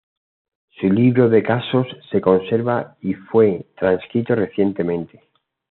Su libro de casos se conserva y fue transcrito recientemente.